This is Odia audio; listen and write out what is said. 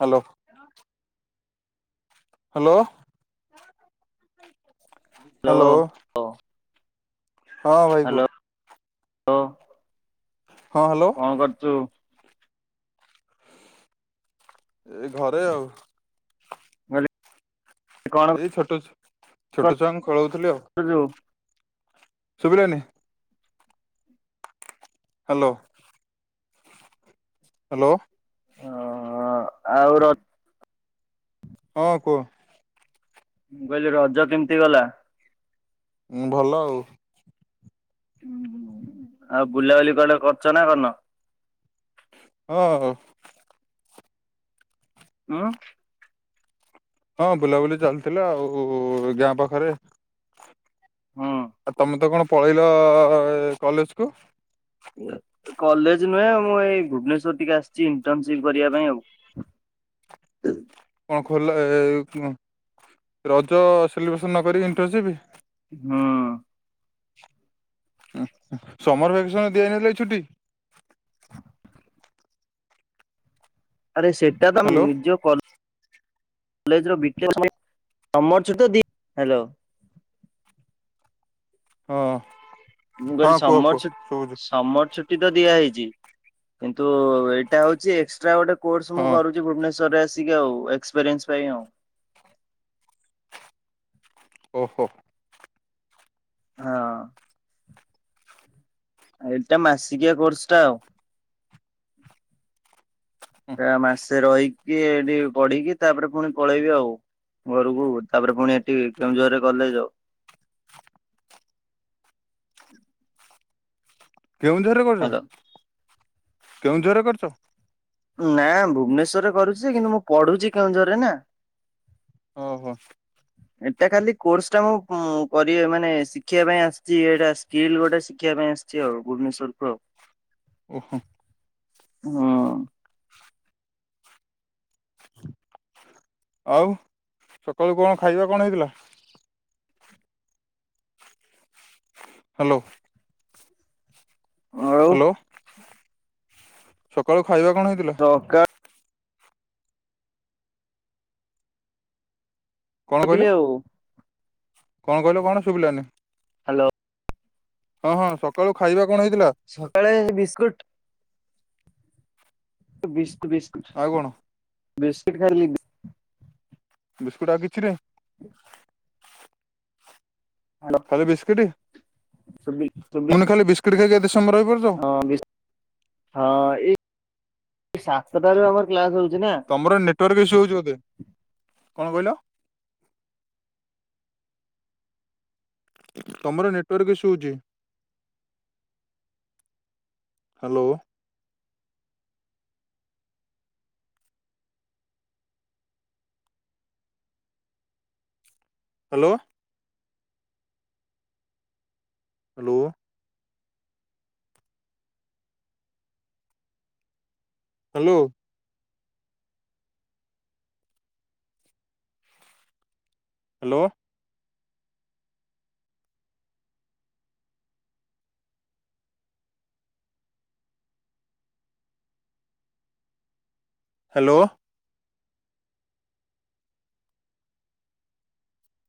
ହ୍ୟାଲୋ। ହ୍ୟାଲୋ। ହ୍ୟାଲୋ। ହଁ, ଭାଇ କୁହ। ହ୍ୟାଲୋ [unintelligible] ହଁ, ହ୍ୟାଲୋ। କଣ କରୁଛୁ? ଏଇ ଘରେ ଆଉ। ଭ [unintelligible] ଏଇ ଛୋଟ ଛୋଟଛୁଆଙ୍କୁ ଖେଳଉଥିଲି ଆଉ। [unintelligible] ଶୁଭିଲାନି। ହ୍ୟାଲୋ। ହ୍ୟାଲୋ। [unintelligible] ଆଉ ରଜ ହଁ, କୁହ। ମୁଁ କହିଲି, ରଜ କେମିତି ଗଲା? ଭଲ ଆଉ। [inaudible] ଆଉ ବୁଲାବୁଲି କୁଆଡେ କରୁଛ ନାଁ କରିନ? ହଁ। [unintelligible] ହଁ, ବୁଲାବୁଲି ଚାଲିଥିଲା, ଆଉ ଗାଁ ପାଖରେ। ହୁଁ। ଆଉ ତମେତ କଣ ପଳେଇଲ କଲେଜ୍ କୁ? କଲେଜ ନୁହେଁ, ମୁଁ ଏଇ ଭୁବନେଶ୍ୱର ଟିକେ ଆସିଛି ଇଣ୍ଟନସିପ୍ କରିବା ପାଇଁ ଆଉ। [inaudible] କଣ କହିଲେ ରଜ ସେଲିବ୍ରେସନ୍ ନକିରି ଇଣ୍ଟରସିପ୍। ହଁ। ଅଁ ଅଁ ସମର ଭେକେସନ ଦିଆଯାଇନଥିଲା କି ଛୁଟି? [unintelligible] ଆରେ ସେଟା ତ ହ୍ୟାଲୋ ନିଜ କ କଲେଜ ର ବି ଟେକ [unintelligible] ହାଲୋ। ହଁ। ମୁଁ କହିଲି ହଁ କୁହ ସମର କୁହ ଛୁ ଶୁଭୁଛି ସମର ଛୁ ଛୁଟି ତ ଦିଆ ହେଇଛି କିନ୍ତୁ ଏଇଟା ହଉଛି ଏକ୍ସଟ୍ରା ଗୋଟେ କୋର୍ସ ମୁଁ ହଁ କରୁଚି ଭୁବନେଶ୍ଵର ରେ ଆସିକି ଆଉ ଏକ୍ସପିରିଏନ୍ସ ପାଇଁ ଆଉ। ଓ ହୋ। ହଁ ଏଇଟା ମାସିକିଆ କୋର୍ସ ଟା ଆଉ। ଏ ମାସେ ରହିକି ଏଠି ପଢିକି ତାପରେ ପୁଣି ପଳେଇବି ଆଉ। ଘରକୁ ତାପରେ ପୁଣି ଏଠି କେଉଁଝର ରେ କଲେଜ। କେଉଁଝର ରେ କରୁଚ। ହାଲୋ କେଉଁଝର ରେ କରୁଚ। ନା ଭୁବନେଶ୍ଵରରେ କରୁଛି କିନ୍ତୁ ମୁଁ ପଢୁଛି କେଉଁଝର ନା। ଓ ହୋ। ଏଟା ଖାଲି କୋର୍ସ ଟା ମୁଁ କରିବେ ମାନେ ଶିଖିବା ପାଇଁ ଆସିଛି ଏଟା ସ୍କିଲ୍ ଗୋଟେ ଶିଖିବା ପାଇଁ ଆସି ଚି ଆଉ ଭୁବନେଶ୍ୱରକୁ ଆଉ। ଓ ହୋ। ହଁ। ଆଉ ସକାଳୁ କଣ ଖାଇବା କଣ ହେଇଥିଲା? ହାଲୋ। ଆଉ ହାଲୋ ସକାଳୁ ଖାଇବା କଣ ହେଇଥିଲା? ଅକା କଣ କହିଲ ଖାଇଥିଲି ଆଉ। କଣ କହିଲ କଣ ଶୁବିଲାନି। ହାଲୋ। ହଁ ହଁ ସକାଳୁ ଖାଇବା କଣ ହେଇଥିଲା? ସକାଳେ ବିସ୍କୁଟ ବିସ୍ ବିସ୍ ଆଉ କଣ? ବିସ୍କୁଟ ଖାଲି। ବିସ୍କୁଟ ଆଉ କିଛି ନାହିଁ। [unintelligible] ଖାଲି ବିସ୍କିଟ୍ ମାନେ ଖାଲି ବିସ୍କୁିଟ ଖାଇକି ଏତେ ସମୟର ରହିପାରୁଚ। ହଁ ବିସ ହଁ ଏଇ ସାତଟାରୁ ଆମର କ୍ଲାସ ହଉଚି ନା ତମର ନେଟୱାର୍କ ଇସୁ ହେଉଛି ବୋଧେ। କଣ କହିଲ? ତମର ନେଟୱର୍କ ଇସୁ ହଉଚି। Hello. Hello. Hello. Hello. Hello. Hello.